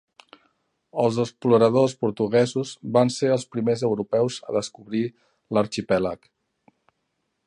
Els exploradors portuguesos van ser els primers europeus a descobrir l'arxipèlag.